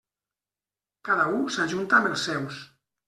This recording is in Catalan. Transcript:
Cada u s'ajunta amb els seus.